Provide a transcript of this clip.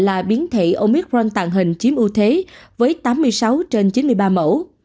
là biến thể omicron tạo hình chiếm ưu thế với tám mươi sáu trên chín mươi ba mẫu